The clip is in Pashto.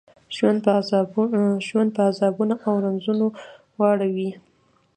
ژوند په عذابونو او رنځونو واړوي.